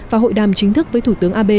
và hội đàm chính thức với thủ tướng abe